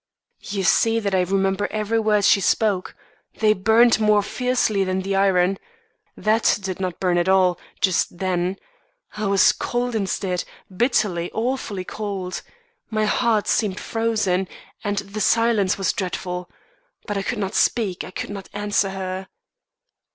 "You see that I remember every word she spoke. They burned more fiercely than the iron. That did not burn at all, just then. I was cold instead bitterly, awfully cold. My very heart seemed frozen, and the silence was dreadful. But I could not speak, I could not answer her.